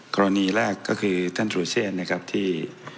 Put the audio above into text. กรณีแรกก็คือท่านสุรเชษนะครับที่